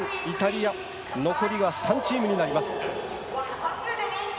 ウクライナ、日本、イタリア、残りは３チームになります。